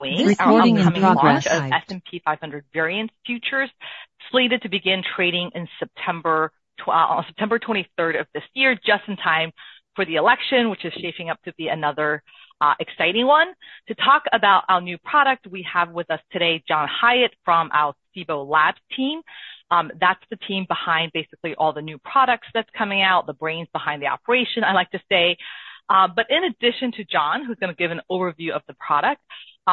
Recording in progress. S&P 500 variance futures, slated to begin trading in September on September 23 of this year, just in time for the election, which is shaping up to be another exciting one. To talk about our new product, we have with us today John Hiatt from our Cboe Labs team. That's the team behind basically all the new products that's coming out, the brains behind the operation, I like to say. But in addition to John, who's gonna give an overview of the product,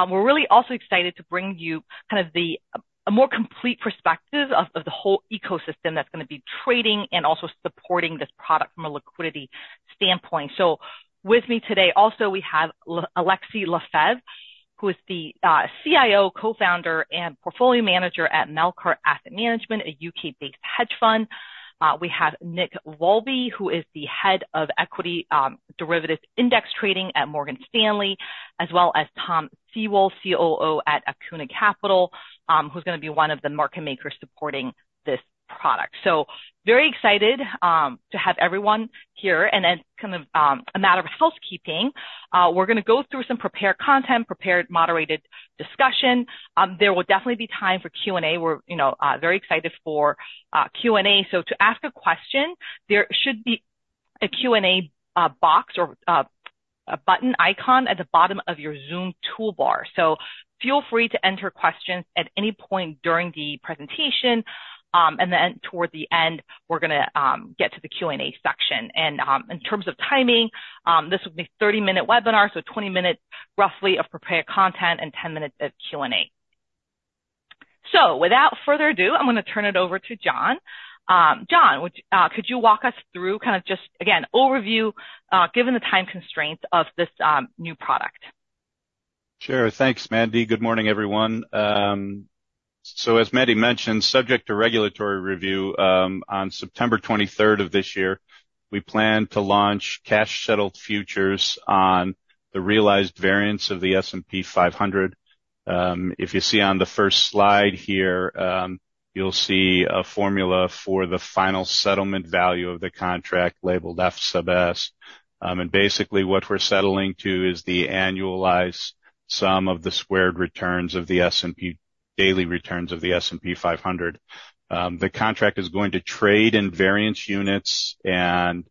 we're really also excited to bring you kind of the a more complete perspective of of the whole ecosystem that's gonna be trading and also supporting this product from a liquidity standpoint. So with me today, also, we have Alexis Lefebvre, who is the CIO, Co-founder, and Portfolio Manager at Melqart Asset Management, a U.K.-based hedge fund. We have Nick Wolby, who is the Head of Equity Derivative Index Trading at Morgan Stanley, as well as Tom Seewald, COO at Akuna Capital, who's gonna be one of the market makers supporting this product. So very excited to have everyone here. And then kind of a matter of housekeeping, we're gonna go through some prepared content, prepared moderated discussion. There will definitely be time for Q&A. We're, you know, very excited for Q&A. So to ask a question, there should be a Q&A box or a button icon at the bottom of your Zoom toolbar. So feel free to enter questions at any point during the presentation, and then toward the end, we're gonna get to the Q&A section. In terms of timing, this will be a 30-minute webinar, so 20 minutes, roughly, of prepared content and 10 minutes of Q&A. So without further ado, I'm gonna turn it over to John. John, would you, could you walk us through kind of just, again, overview, given the time constraints of this, new product? Sure. Thanks, Mandy. Good morning, everyone. So as Mandy mentioned, subject to regulatory review, on September 23rd of this year, we plan to launch cash-settled futures on the realized variance of the S&P 500. If you see on the first slide here, you'll see a formula for the final settlement value of the contract, labeled Fₛ. And basically, what we're settling to is the annualized sum of the squared returns of the S&P 500 daily returns of the S&P 500. The contract is going to trade in variance units and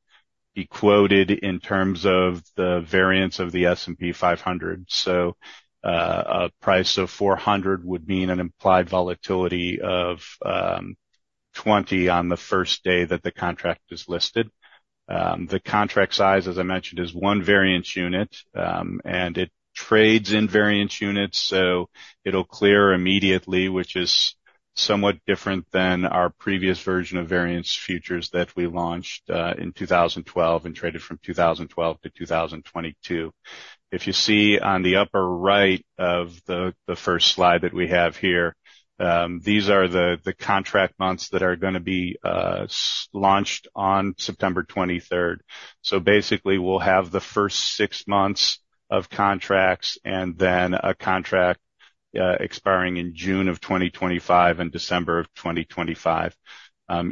be quoted in terms of the variance of the S&P 500. So, a price of 400 would mean an implied volatility of 20% on the first day that the contract is listed. The contract size, as I mentioned, is one variance unit, and it trades in variance units, so it'll clear immediately, which is somewhat different than our previous version of variance futures that we launched in 2012, and traded from 2012 to 2022. If you see on the upper right of the first slide that we have here, these are the contract months that are gonna be launched on September 23. So basically, we'll have the first six months of contracts and then a contract expiring in June 2025 and December 2025.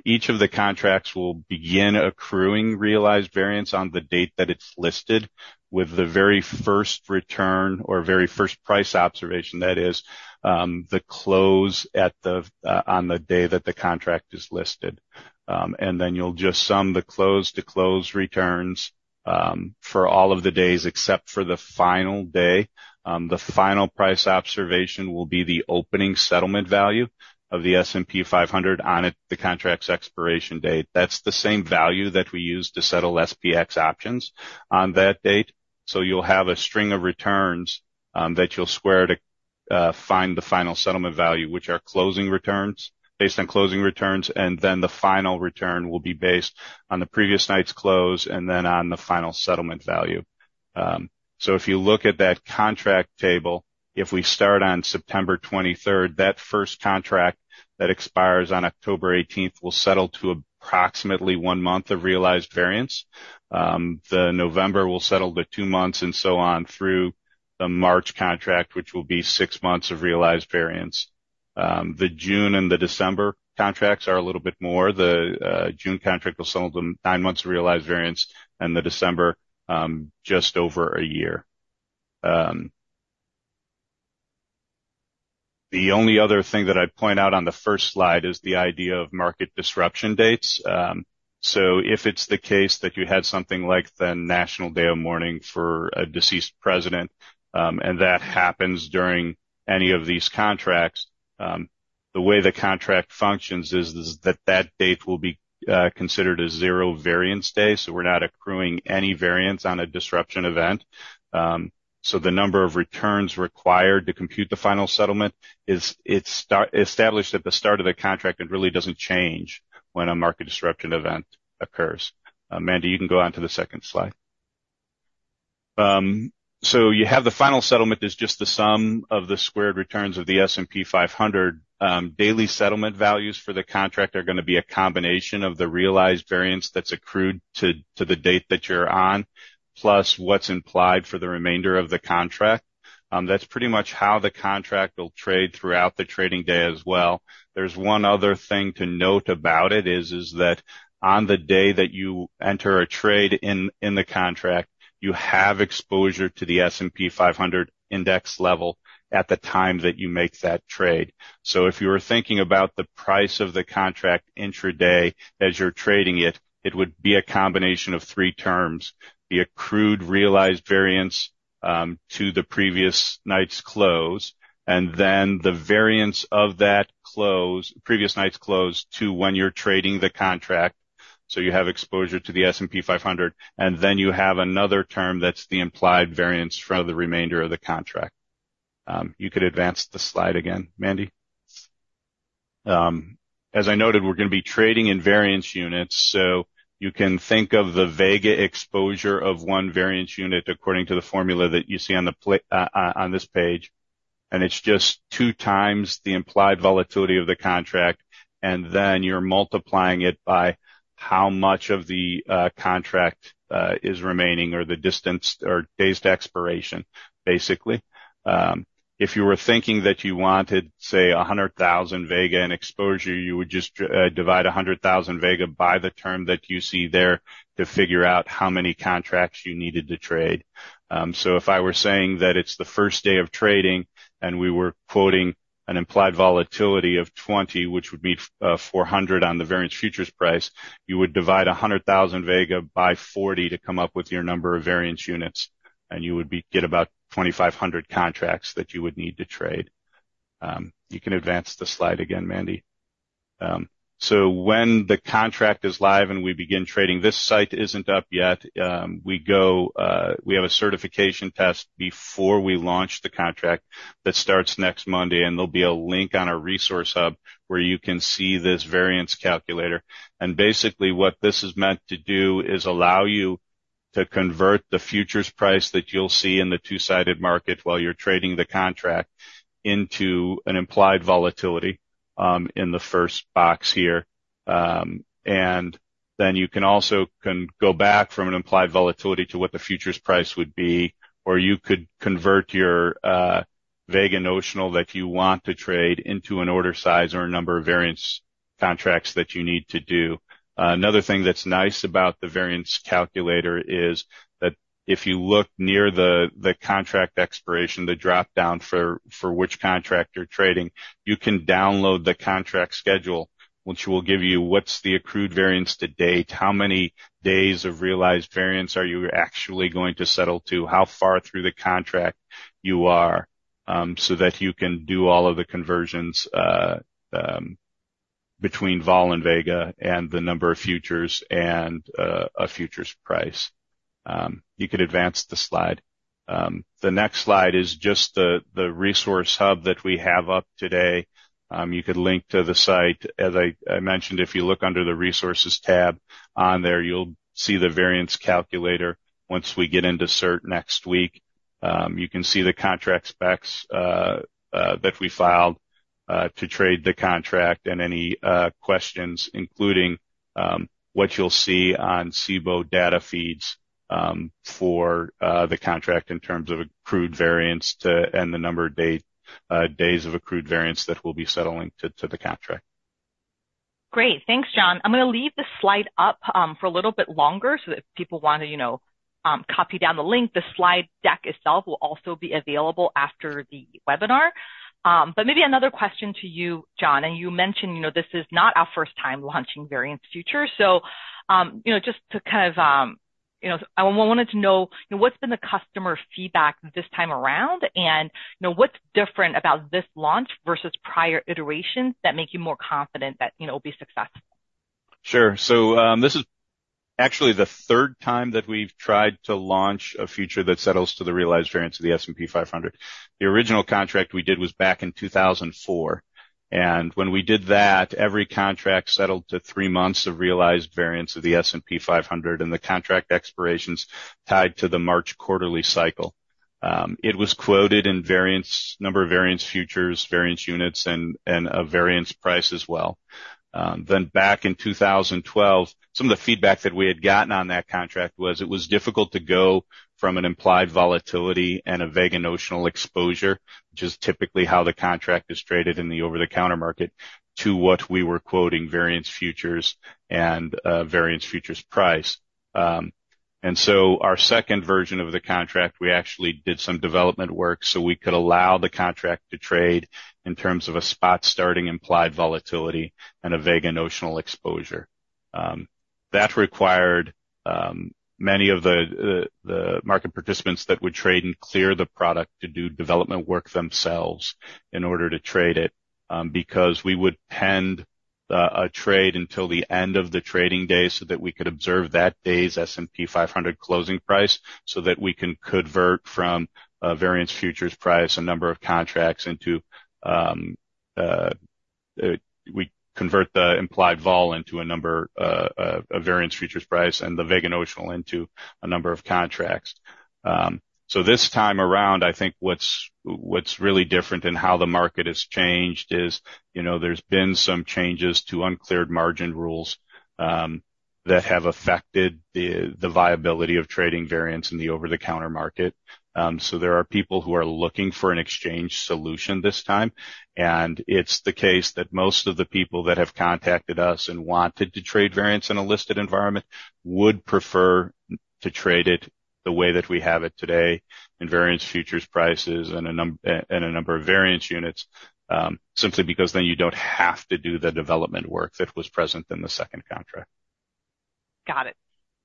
Each of the contracts will begin accruing realized variance on the date that it's listed, with the very first return or very first price observation. That is, the close at the, on the day that the contract is listed. And then you'll just sum the close-to-close returns, for all of the days, except for the final day. The final price observation will be the opening settlement value of the S&P 500 on it, the contract's expiration date. That's the same value that we use to settle SPX options on that date. So you'll have a string of returns, that you'll square to find the final settlement value, which are closing returns, based on closing returns, and then the final return will be based on the previous night's close and then on the final settlement value. So if you look at that contract table, if we start on September 23rd, that first contract that expires on October 18th, will settle to approximately one month of realized variance. The November will settle to 2 months, and so on, through the March contract, which will be 6 months of realized variance. The June and the December contracts are a little bit more. The June contract will settle the 9 months of realized variance, and the December, just over a year. The only other thing that I'd point out on the first slide is the idea of market disruption dates. So if it's the case that you had something like the National Day of Mourning for a deceased president, and that happens during any of these contracts, the way the contract functions is that that date will be considered a zero variance day, so we're not accruing any variance on a disruption event. So the number of returns required to compute the final settlement is, it's set, established at the start of the contract and really doesn't change when a market disruption event occurs. Mandy, you can go on to the second slide. So you have the final settlement is just the sum of the squared returns of the S&P 500. Daily settlement values for the contract are going to be a combination of the realized variance that's accrued to the date that you're on, plus what's implied for the remainder of the contract. That's pretty much how the contract will trade throughout the trading day as well. There's one other thing to note about it, is that on the day that you enter a trade in the contract, you have exposure to the S&P 500 index level at the time that you make that trade. So if you were thinking about the price of the contract intraday as you're trading it, it would be a combination of three terms: the accrued realized variance to the previous night's close, and then the variance of that close, previous night's close, to when you're trading the contract. So you have exposure to the S&P 500, and then you have another term, that's the implied variance for the remainder of the contract. You could advance the slide again, Mandy. As I noted, we're going to be trading in variance units, so you can think of the vega exposure of one variance unit according to the formula that you see on this page, and it's just two times the implied volatility of the contract, and then you're multiplying it by how much of the contract is remaining, or the distance, or days to expiration, basically. If you were thinking that you wanted, say, 100,000 vega in exposure, you would just divide 100,000 vega by the term that you see there to figure out how many contracts you needed to trade. So if I were saying that it's the first day of trading and we were quoting an implied volatility of 20, which would be, 400 on the variance futures price, you would divide 100,000 vega by 40 to come up with your number of variance units, and you would get about 2,500 contracts that you would need to trade. You can advance the slide again, Mandy. So when the contract is live and we begin trading, this site isn't up yet. We have a certification test before we launch the contract that starts next Monday, and there'll be a link on our resource hub, where you can see this variance calculator. Basically, what this is meant to do is allow you to convert the futures price that you'll see in the two-sided market while you're trading the contract into an implied volatility, in the first box here. And then you can also go back from an implied volatility to what the futures price would be. Or you could convert your vega notional that you want to trade into an order size or a number of variance contracts that you need to do. Another thing that's nice about the variance calculator is that if you look near the contract expiration, the dropdown for which contract you're trading, you can download the contract schedule, which will give you what's the accrued variance to date, how many days of realized variance are you actually going to settle to, how far through the contract you are, so that you can do all of the conversions between vol and vega and the number of futures and a futures price. You could advance the slide. The next slide is just the resource hub that we have up today. You could link to the site. As I mentioned, if you look under the Resources tab on there, you'll see the Variance Calculator once we get into cert next week. You can see the contract specs that we filed to trade the contract and any questions, including what you'll see on Cboe data feeds for the contract, in terms of accrued variance to... and the number of date days of accrued variance that we'll be settling to the contract. Great. Thanks, John. I'm going to leave this slide up for a little bit longer so that if people want to, you know, copy down the link. The slide deck itself will also be available after the webinar. But maybe another question to you, John, and you mentioned, you know, this is not our first time launching variance futures. So, you know, just to kind of, you know, I wanted to know, what's been the customer feedback this time around, and, you know, what's different about this launch versus prior iterations that make you more confident that, you know, it'll be successful? Sure. So, this is actually the third time that we've tried to launch a future that settles to the realized variance of the S&P 500. The original contract we did was back in 2004, and when we did that, every contract settled to three months of realized variance of the S&P 500, and the contract expiration's tied to the March quarterly cycle. It was quoted in variance, number of variance, futures, variance units, and, and a variance price as well. Then back in 2012, some of the feedback that we had gotten on that contract was it was difficult to go from an implied volatility and a vega notional exposure, which is typically how the contract is traded in the over-the-counter market, to what we were quoting, variance futures and, variance futures price. And so our second version of the contract, we actually did some development work, so we could allow the contract to trade in terms of a spot starting implied volatility and a vega notional exposure. That required many of the market participants that would trade and clear the product to do development work themselves in order to trade it, because we would pend a trade until the end of the trading day, so that we could observe that day's S&P 500 closing price, so that we can convert from a variance futures price, a number of contracts into-... we convert the implied vol into a number, a variance futures price and the vega notional into a number of contracts. So this time around, I think what's really different in how the market has changed is, you know, there's been some changes to uncleared margin rules that have affected the viability of trading variance in the over-the-counter market. So there are people who are looking for an exchange solution this time, and it's the case that most of the people that have contacted us and wanted to trade variance in a listed environment would prefer not to trade it the way that we have it today in variance futures prices, and a number of variance units, simply because then you don't have to do the development work that was present in the second contract. Got it.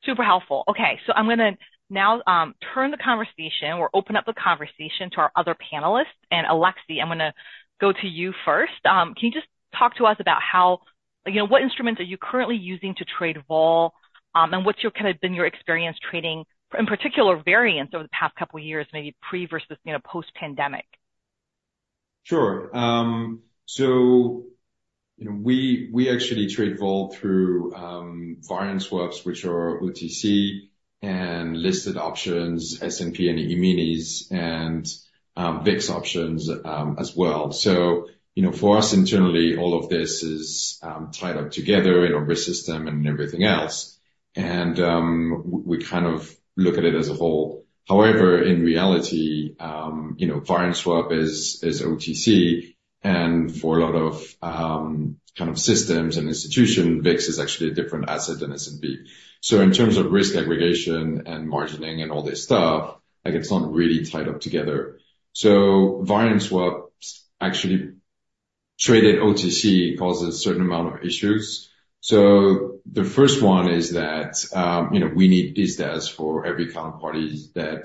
Super helpful. Okay, so I'm gonna now turn the conversation or open up the conversation to our other panelists, and Alexis, I'm gonna go to you first. Can you just talk to us about how, you know, what instruments are you currently using to trade vol, and what's your kind of been your experience trading, in particular, variance over the past couple of years, maybe pre versus, you know, post-pandemic? Sure. So we actually trade vol through variance swaps, which are OTC and listed options, S&P and E-minis and VIX options, as well. So, you know, for us, internally, all of this is tied up together in our system and everything else, and we kind of look at it as a whole. However, in reality, you know, variance swap is OTC, and for a lot of kind of systems and institution, VIX is actually a different asset than S&P. So in terms of risk aggregation and margining and all this stuff, like, it's not really tied up together. So variance swaps actually trade at OTC, causes a certain amount of issues. So the first one is that, you know, we need these tests for every counterparty that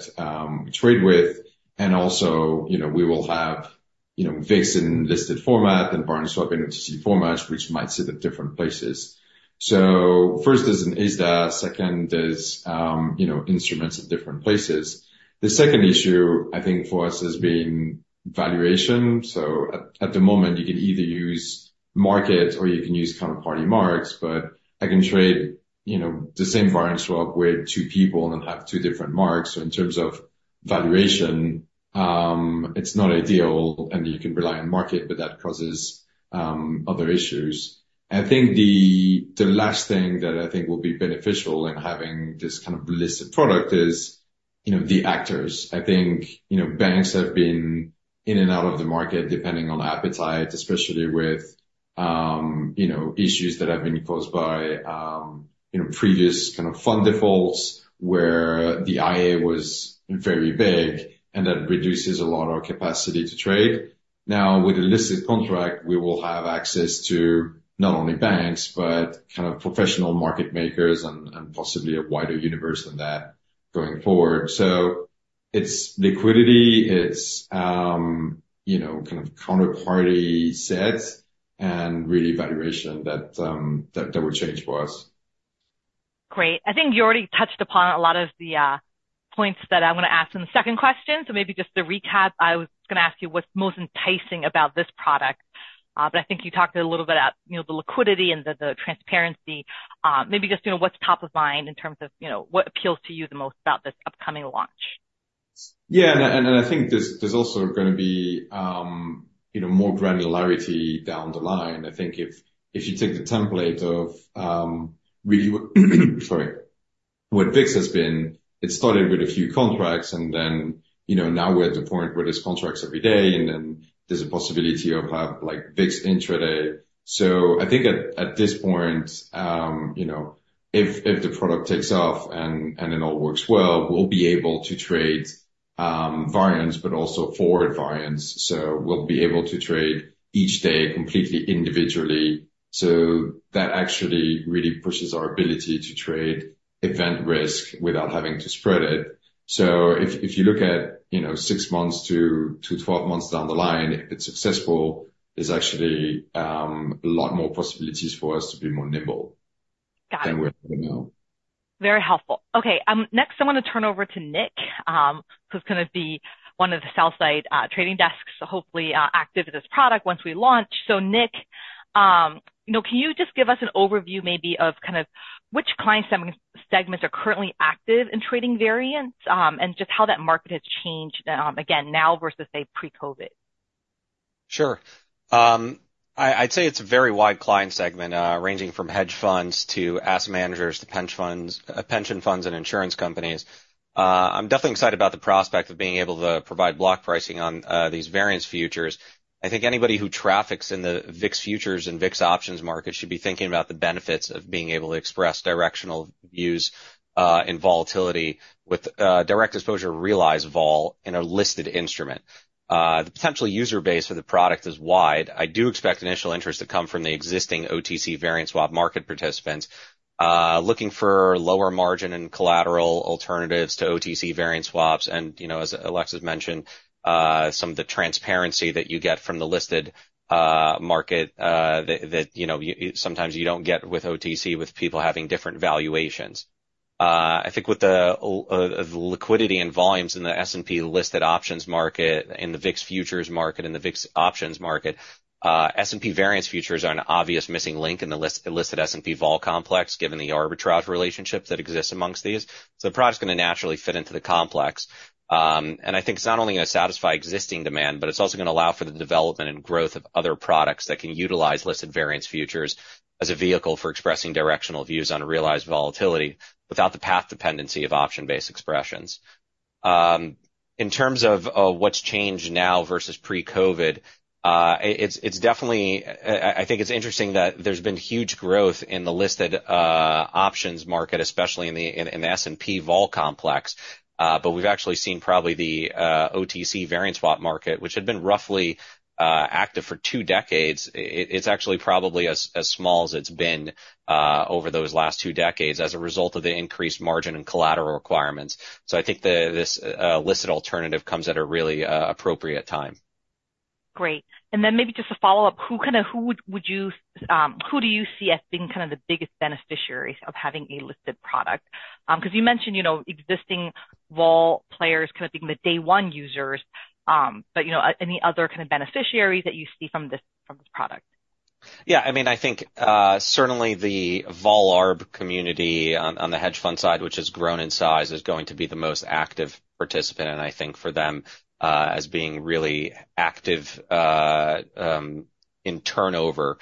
we trade with, and also, you know, we will have, you know, VIX in listed format and variance swap in OTC formats, which might sit at different places. So first, there's an ISDA, second, there's you know, instruments at different places. The second issue, I think, for us, has been valuation. So at the moment, you can either use market or you can use counterparty marks, but I can trade, you know, the same variance swap with two people and have two different marks. So in terms of valuation, it's not ideal, and you can rely on market, but that causes other issues. I think the last thing that I think will be beneficial in having this kind of listed product is, you know, the actors. I think, you know, banks have been in and out of the market, depending on appetite, especially with, you know, issues that have been caused by, you know, previous kind of fund defaults, where the ISDA was very big, and that reduces a lot of capacity to trade. Now, with the listed contract, we will have access to not only banks, but kind of professional market makers and, and possibly a wider universe than that going forward. So it's liquidity, it's, you know, kind of counterparty sets and really valuation that, that, that would change for us. Great. I think you already touched upon a lot of the points that I'm gonna ask in the second question, so maybe just to recap, I was gonna ask you what's most enticing about this product? But I think you talked a little bit about, you know, the liquidity and the transparency. Maybe just, you know, what's top of mind in terms of, you know, what appeals to you the most about this upcoming launch? Yeah, and I think there's also gonna be, you know, more granularity down the line. I think if you take the template of, really, sorry, what VIX has been, it started with a few contracts, and then, you know, now we're at the point where there's contracts every day, and then there's a possibility of have, like, VIX intraday. So I think at this point, you know, if the product takes off and it all works well, we'll be able to trade variance, but also forward variance, so we'll be able to trade each day completely individually. So that actually really pushes our ability to trade event risk without having to spread it. So if you look at, you know, 6-12 months down the line, if it's successful, there's actually a lot more possibilities for us to be more nimble- Got it. Then we're now. Very helpful. Okay, next, I want to turn over to Nick, who's gonna be one of the sell-side, trading desks, so hopefully, active in this product once we launch. So Nick, you know, can you just give us an overview, maybe of kind of which client segments are currently active in trading variance, and just how that market has changed, again, now versus, say, pre-COVID? Sure. I'd say it's a very wide client segment, ranging from hedge funds to asset managers to pension funds, pension funds and insurance companies. I'm definitely excited about the prospect of being able to provide block pricing on these variance futures. I think anybody who traffics in the VIX futures and VIX options market should be thinking about the benefits of being able to express directional views in volatility with direct exposure, realized vol in a listed instrument. The potential user base for the product is wide. I do expect initial interest to come from the existing OTC variance swap market participants, looking for lower margin and collateral alternatives to OTC variance swaps, and, you know, as Alex has mentioned, some of the transparency that you get from the listed market, that you know, you sometimes don't get with OTC, with people having different valuations. ... I think with the liquidity and volumes in the S&P listed options market, in the VIX futures market, and the VIX options market, S&P variance futures are an obvious missing link in the listed S&P vol complex, given the arbitrage relationships that exist amongst these. So the product's gonna naturally fit into the complex. And I think it's not only gonna satisfy existing demand, but it's also gonna allow for the development and growth of other products that can utilize listed variance futures as a vehicle for expressing directional views on realized volatility, without the path dependency of option-based expressions. In terms of what's changed now versus pre-COVID, it's definitely. I think it's interesting that there's been huge growth in the listed options market, especially in the S&P vol complex. But we've actually seen probably the OTC variance swap market, which had been roughly active for two decades. It's actually probably as small as it's been over those last two decades as a result of the increased margin and collateral requirements. So I think this listed alternative comes at a really appropriate time. Great. And then maybe just a follow-up. Who kind of-- who would, would you, who do you see as being kind of the biggest beneficiaries of having a listed product? 'Cause you mentioned, you know, existing vol players kind of being the day one users, but, you know, any other kind of beneficiaries that you see from this, from this product? Yeah, I mean, I think, certainly the vol arb community on the hedge fund side, which has grown in size, is going to be the most active participant. And I think for them, as being really active, in turnover,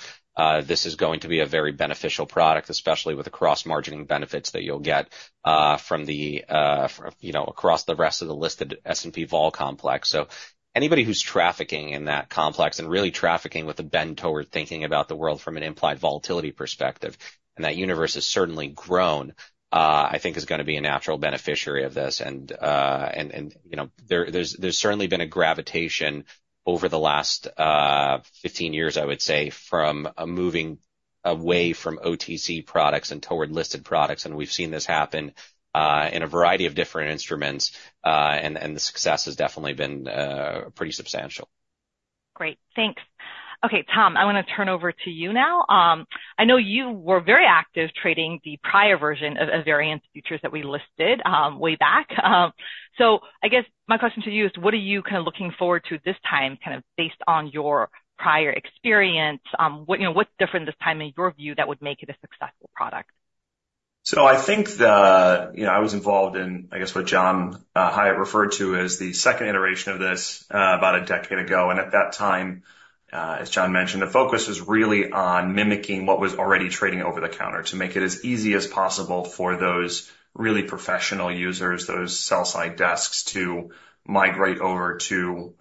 this is going to be a very beneficial product, especially with the cross-margining benefits that you'll get, from the, you know, across the rest of the listed S&P vol complex. So anybody who's trafficking in that complex and really trafficking with a bent toward thinking about the world from an implied volatility perspective, and that universe has certainly grown, I think is gonna be a natural beneficiary of this. And, and, you know, there, there's certainly been a gravitation over the last 15 years, I would say, from moving away from OTC products and toward listed products. We've seen this happen in a variety of different instruments, and the success has definitely been pretty substantial. Great, thanks. Okay, Tom, I want to turn over to you now. I know you were very active trading the prior version of variance futures that we listed, way back. So I guess my question to you is, what are you kind of looking forward to this time, kind of based on your prior experience? What, you know, what's different this time, in your view, that would make it a successful product? So I think, you know, I was involved in, I guess, what John Hiatt referred to as the second iteration of this, about a decade ago. And at that time, as John mentioned, the focus was really on mimicking what was already trading over-the-counter, to make it as easy as possible for those really professional users, those sell-side desks, to migrate over to,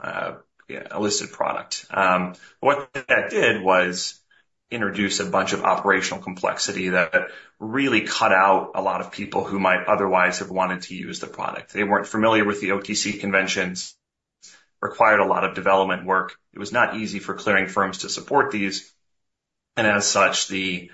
yeah, a listed product. What that did was introduce a bunch of operational convexity that really cut out a lot of people who might otherwise have wanted to use the product. They weren't familiar with the OTC conventions, required a lot of development work. It was not easy for clearing firms to support these, and as such, the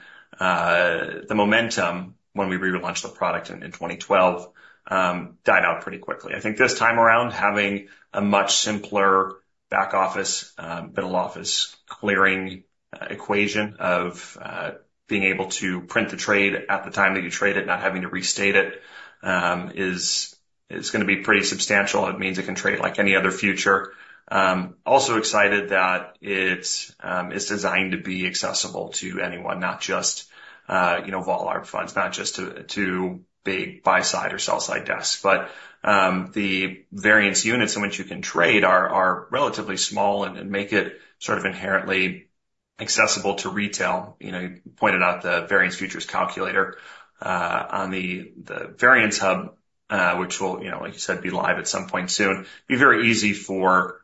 momentum when we relaunched the product in 2012, died out pretty quickly. I think this time around, having a much simpler back office, middle office clearing equation of being able to print the trade at the time that you trade it, not having to restate it, is gonna be pretty substantial. It means it can trade like any other future. Also excited that it's designed to be accessible to anyone, not just, you know, vol arb funds, not just to big buy side or sell side desks. But, the variance units in which you can trade are relatively small and make it sort of inherently accessible to retail. You know, you pointed out the variance futures calculator on the variance hub, which will, you know, like you said, be live at some point soon. Be very easy for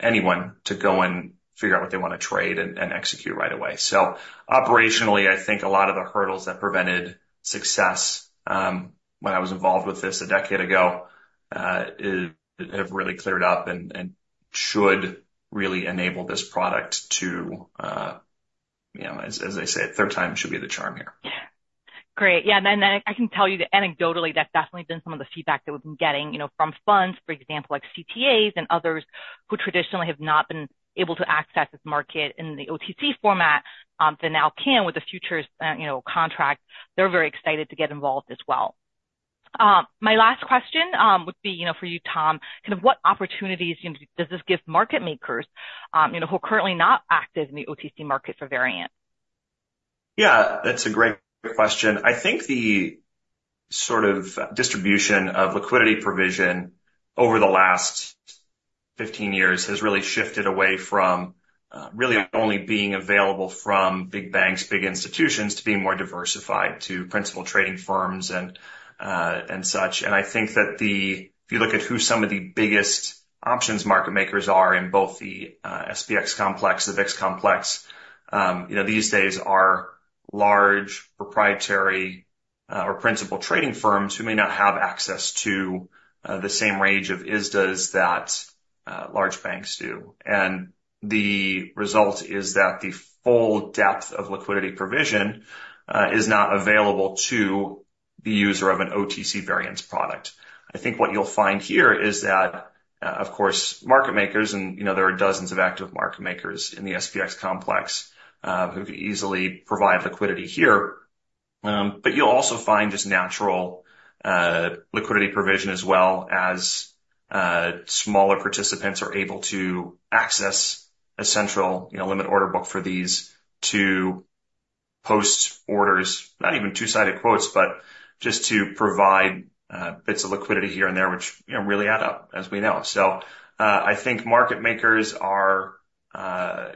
anyone to go and figure out what they want to trade and execute right away. So operationally, I think a lot of the hurdles that prevented success when I was involved with this a decade ago have really cleared up and should really enable this product to, you know, as they say, third time should be the charm here. Great. Yeah, and then I can tell you that anecdotally, that's definitely been some of the feedback that we've been getting, you know, from funds, for example, like CTAs and others who traditionally have not been able to access this market in the OTC format. They now can with the futures, you know, contract. They're very excited to get involved as well. My last question would be, you know, for you, Tom, kind of what opportunities, you know, does this give market makers, you know, who are currently not active in the OTC market for variance? Yeah, that's a great question. I think the sort of distribution of liquidity provision over the last 15 years has really shifted away from, really only being available from big banks, big institutions, to being more diversified to principal trading firms and, and such. And I think that the... If you look at who some of the biggest options market makers are in both the, SPX complex, the VIX complex, you know, these days are large proprietary, or principal trading firms who may not have access to, the same range of ISDA that, large banks do. And the result is that the full depth of liquidity provision, is not available to the user of an OTC variance product. I think what you'll find here is that-... of course, market makers, and, you know, there are dozens of active market makers in the SPX complex, who could easily provide liquidity here. But you'll also find just natural liquidity provision as well as smaller participants are able to access a central, you know, limit order book for these to post orders, not even two-sided quotes, but just to provide bits of liquidity here and there, which, you know, really add up, as we know. So, I think market makers are,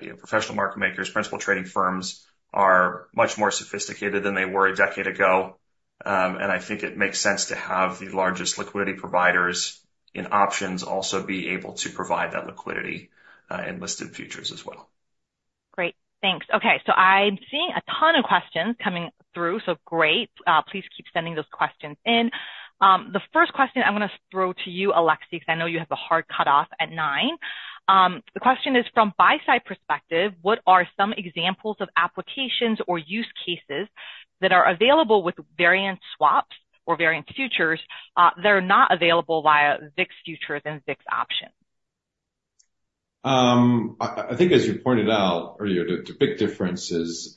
you know, professional market makers, principal trading firms, are much more sophisticated than they were a decade ago. And I think it makes sense to have the largest liquidity providers in options also be able to provide that liquidity in listed futures as well. Great. Thanks. Okay, so I'm seeing a ton of questions coming through, so great. Please keep sending those questions in. The first question I'm gonna throw to you, Alexis, because I know you have a hard cutoff at 9. The question is: From buy-side perspective, what are some examples of applications or use cases that are available with variance swaps or variance futures that are not available via VIX futures and VIX options? I think as you pointed out earlier, the big difference is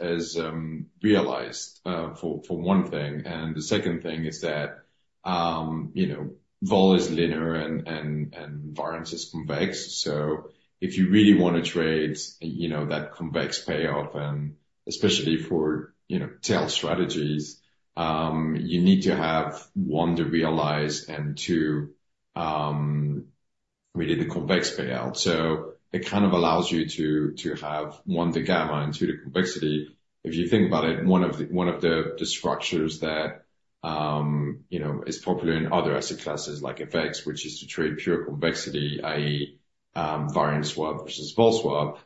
realized for one thing, and the second thing is that, you know, vol is linear and variance is convex. So if you really wanna trade, you know, that convex payoff, and especially for, you know, tail strategies, you need to have, one, to realize and, two, really the convex payout. So it kind of allows you to have one, the gamma, and two, the convexity. If you think about it, one of the structures that, you know, is popular in other asset classes like FX, which is to trade pure complexity, i.e., variance swap versus vol swap,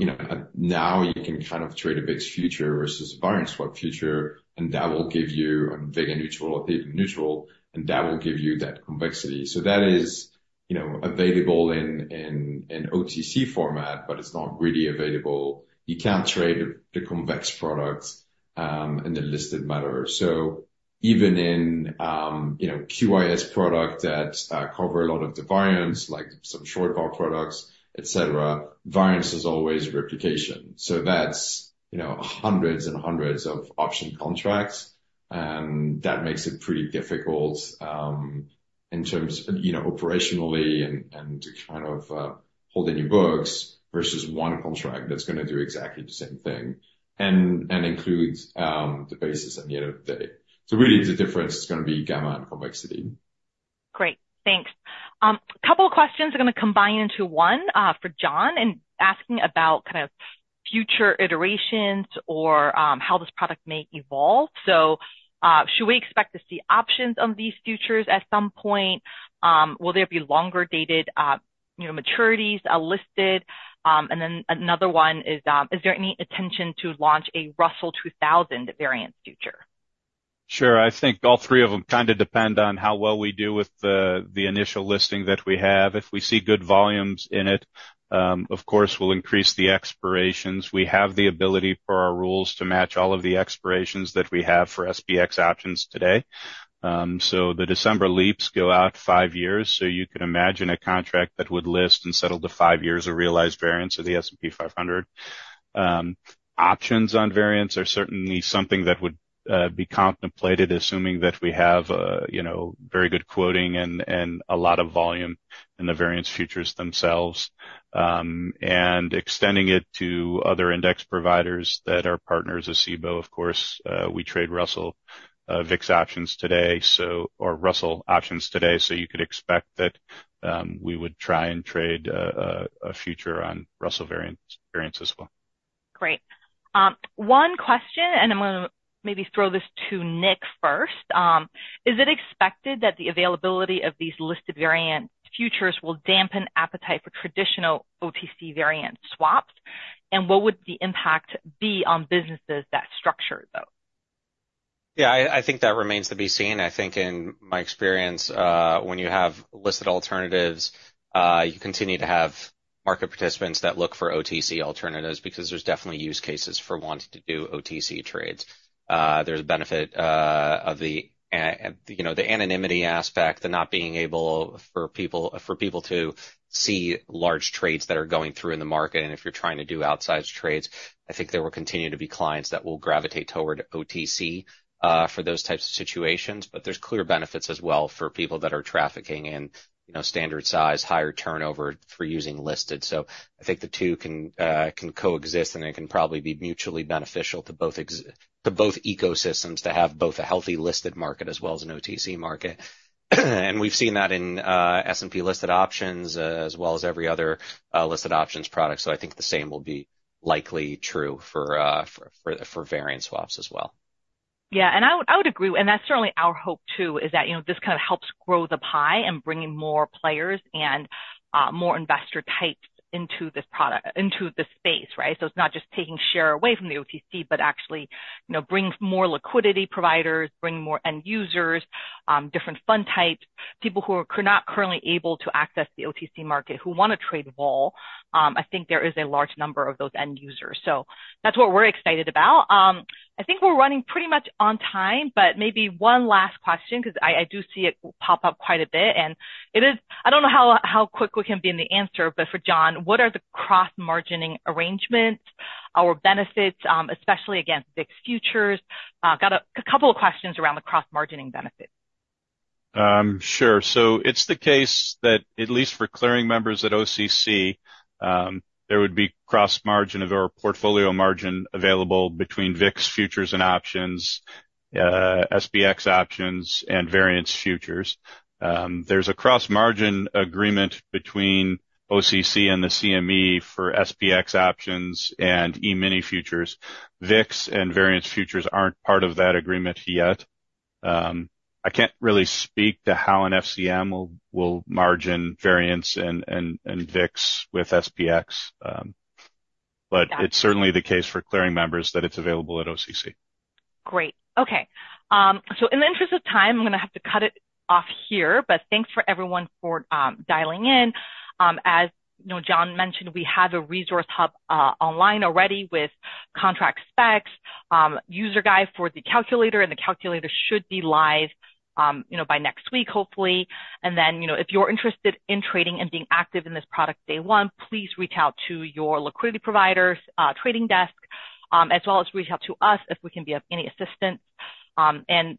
you know, now you can kind of trade a VIX future versus a variance swap future, and that will give you vega neutral or theta neutral, and that will give you that complexity. So that is, you know, available in OTC format, but it's not really available. You can't trade the convex products in the listed manner. So even in, you know, QIS product that cover a lot of the variance, like some short vol products, et cetera, variance is always replication. So that's, you know, hundreds and hundreds of option contracts, and that makes it pretty difficult in terms of, you know, operationally and to kind of hold in your books versus one contract that's gonna do exactly the same thing and includes the basis at the end of the day. So really, the difference is gonna be gamma and complexity. Great, thanks. A couple of questions are gonna combine into one, for John, and asking about kind of future iterations or, how this product may evolve. So, should we expect to see options on these futures at some point? Will there be longer-dated, you know, maturities, listed? And then another one is, is there any intention to launch a Russell 2000 variance future? Sure. I think all three of them kind of depend on how well we do with the initial listing that we have. If we see good volumes in it, of course we'll increase the expirations. We have the ability for our rules to match all of the expirations that we have for SPX options today. So the December LEAPS go out five years, so you can imagine a contract that would list and settle to five years of realized variance of the S&P 500. Options on variance are certainly something that would be contemplated, assuming that we have you know, very good quoting and a lot of volume in the variance futures themselves, and extending it to other index providers that are partners of Cboe. Of course, we trade Russell, VIX options today, so... Or Russell options today, so you could expect that we would try and trade a future on Russell variance, variance as well. Great. One question, and I'm gonna maybe throw this to Nick first. Is it expected that the availability of these listed variance futures will dampen appetite for traditional OTC variance swaps? And what would the impact be on businesses that structure those? Yeah, I, I think that remains to be seen. I think in my experience, when you have listed alternatives, you continue to have market participants that look for OTC alternatives, because there's definitely use cases for wanting to do OTC trades. There's benefit, of the you know, the anonymity aspect, the not being able for people, for people to see large trades that are going through in the market. And if you're trying to do outsized trades, I think there will continue to be clients that will gravitate toward OTC, for those types of situations. But there's clear benefits as well for people that are trafficking in, you know, standard size, higher turnover for using listed. So I think the two can coexist, and it can probably be mutually beneficial to both ecosystems, to have both a healthy listed market as well as an OTC market. And we've seen that in S&P listed options as well as every other listed options product. So I think the same will be likely true for variance swaps as well. Yeah, and I would, I would agree, and that's certainly our hope, too, is that, you know, this kind of helps grow the pie and bring in more players and, more investor types into this product, into the space, right? So it's not just taking share away from the OTC, but actually, you know, brings more liquidity providers, bring more end users, different fund types, people who are not currently able to access the OTC market, who want to trade vol. I think there is a large number of those end users. So that's what we're excited about. I think we're running pretty much on time, but maybe one last question, 'cause I, I do see it pop up quite a bit, and it is... I don't know how quick we can be in the answer, but for John, what are the cross-margining arrangements or benefits, especially against VIX futures? Got a couple of questions around the cross-margining benefits. Sure. So it's the case that, at least for clearing members at OCC, there would be cross-margin or portfolio margin available between VIX futures and options, SPX options and variance futures. There's a cross-margin agreement between OCC and the CME for SPX options and E-mini futures. VIX and variance futures aren't part of that agreement yet. I can't really speak to how an FCM will margin variance and VIX with SPX, but- Yeah. It's certainly the case for clearing members that it's available at OCC. Great. Okay. So in the interest of time, I'm gonna have to cut it off here, but thanks for everyone for dialing in. As you know, John mentioned, we have a resource hub online already with contract specs, user guide for the calculator, and the calculator should be live, you know, by next week, hopefully. And then, you know, if you're interested in trading and being active in this product day one, please reach out to your liquidity providers, trading desk, as well as reach out to us if we can be of any assistance. And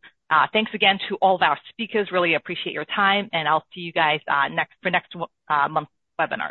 thanks again to all of our speakers. Really appreciate your time, and I'll see you guys next for next month's webinar.